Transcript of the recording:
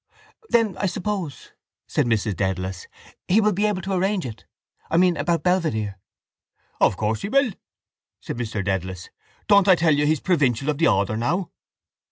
—Then I suppose, said Mrs Dedalus, he will be able to arrange it. I mean about Belvedere. —Of course he will, said Mr Dedalus. Don't I tell you he's provincial of the order now?